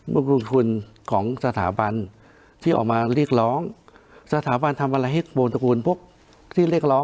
ลงทุนของสถาบันที่ออกมาเรียกร้องสถาบันทำอะไรให้วงตระกูลพวกที่เรียกร้อง